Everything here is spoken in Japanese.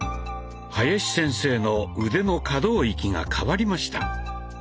林先生の腕の可動域が変わりました。